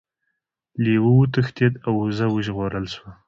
لیوه وتښتید او وزه وژغورل شوه.